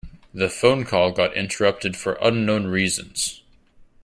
The phone call got interrupted for unknown reasons.